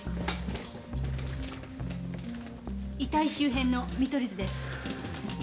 遺体周辺の見取り図です。